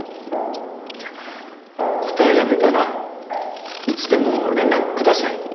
じゃあ答えが出たらいつでも連絡下さい。